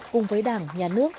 cùng với đảng nhà nước